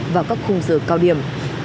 vào các khung giờ cao điểm